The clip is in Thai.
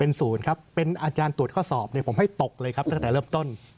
เป็นศูนย์ครับเป็นอาจารย์ตรวจข้อสอบเนี่ยผมให้ตกเลยครับตั้งแต่เริ่มต้น